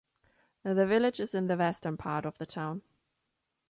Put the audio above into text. The village is in the western part of the town.